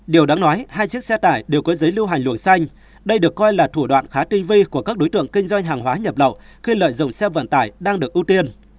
điều đáng nói hai chiếc xe tải đều có giấy lưu hành luồng xanh đây được coi là thủ đoạn khá tinh vi của các đối tượng kinh doanh hàng hóa nhập lậu khi lợi dụng xe vận tải đang được ưu tiên